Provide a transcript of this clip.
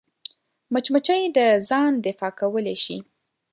مچمچۍ د ځان دفاع کولی شي